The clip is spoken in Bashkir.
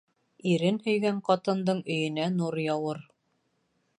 Ирен һөйгән ҡатындың өйөнә нур яуыр.